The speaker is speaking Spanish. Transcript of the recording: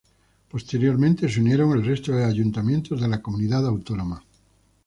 Posteriormente se unieron el resto de ayuntamientos de la comunidad autónoma.